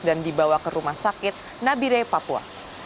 dan dibawa ke rumah sakit nabire papua